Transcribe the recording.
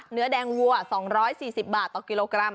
เนื้อแดงวัว๒๔๐บาทต่อกิโลกรัม